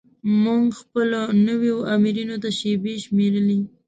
موږ خپلو نویو آمرینو ته شیبې شمیرلې.